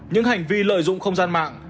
những hành vi lợi dụng không gian mạng